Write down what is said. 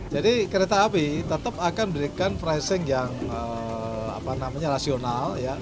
jadi kereta api tetap akan memberikan pricing yang rasional